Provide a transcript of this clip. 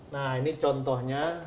nah ini contohnya